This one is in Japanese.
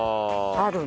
ああ。